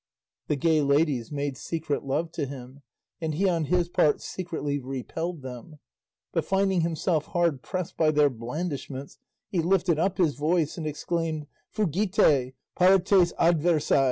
The gay ladies made secret love to him, and he on his part secretly repelled them, but finding himself hard pressed by their blandishments he lifted up his voice and exclaimed, "Fugite, partes adversae!